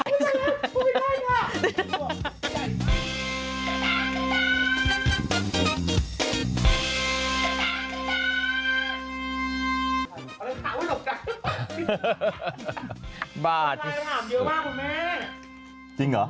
นี่มันพี่ด้านหน้า